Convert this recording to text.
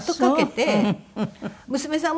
「娘さん